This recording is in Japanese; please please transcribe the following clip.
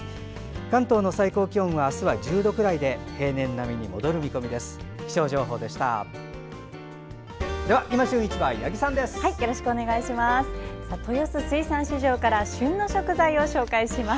関東の最高気温は明日は１０度くらいで平年並みに戻る見込みです。